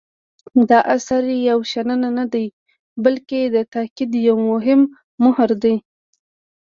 دا اثر یوازې شننه نه دی بلکې د تاکید یو مهم مهر دی.